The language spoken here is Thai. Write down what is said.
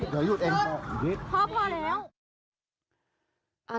เดี๋ยวหยุดเองพ่อพอแล้ว